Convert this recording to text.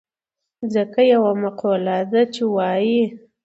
ځکه يوه مقوله ده چې وايي.